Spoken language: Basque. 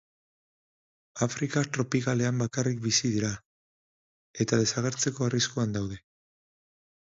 Afrika tropikalean bakarrik bizi dira, eta desagertzeko arriskuan daude.